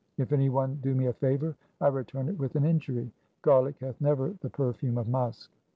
If any one do me a favour, I return it with an injury. Garlic hath never the perfume of musk.